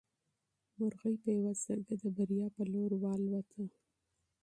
مرغۍ په یوه سترګه د بریا په لور پرواز وکړ.